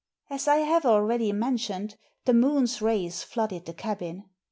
As I have already mentioned, the moon's rays flooded the cabin.